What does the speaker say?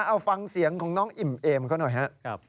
เอาฟังเสียงของน้องอิ่มเอมเขาหน่อยครับ